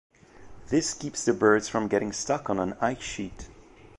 This keeps the birds from getting stuck on an ice sheet.